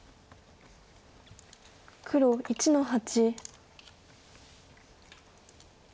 黒１の八。